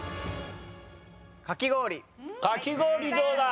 かき氷どうだ？